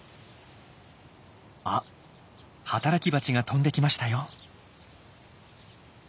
あ働きバチが飛んできましたよ。